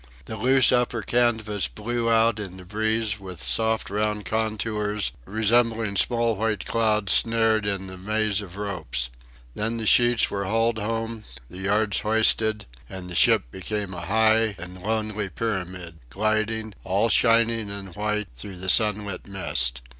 The loose upper canvas blew out in the breeze with soft round contours, resembling small white clouds snared in the maze of ropes. Then the sheets were hauled home, the yards hoisted, and the ship became a high and lonely pyramid, gliding, all shining and white, through the sunlit mist.